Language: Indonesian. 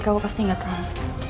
kau pasti gak tau